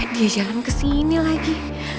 dia jalan kesini lagi